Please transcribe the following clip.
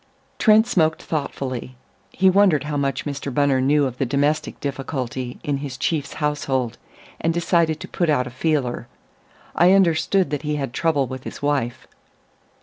Trent smoked thoughtfully. He wondered how much Mr. Bunner knew of the domestic difficulty in his chief's household, and decided to put out a feeler. "I understood that he had trouble with his wife."